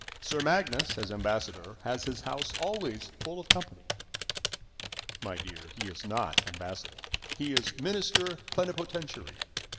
Sir Magnus, as ambassador, has his house always full of company." "My dear, he is not ambassador. He is minister plenipotentiary.